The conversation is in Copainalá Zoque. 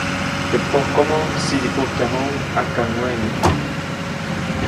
Teʼ pojkomo sidipujtyajuʼuŋ ʼakaŋweʼni.